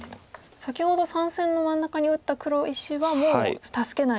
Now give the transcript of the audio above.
先ほど３線の真ん中に打った黒石はもう助けない。